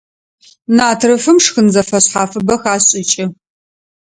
Натрыфым шхын зэфэшъхьафыбэ хашӀыкӀы.